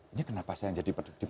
ini kenapa saya yang diperbincangkan